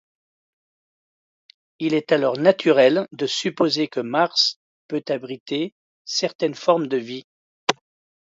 Il est alors naturel de supposer que Mars peut abriter certaines formes de vie.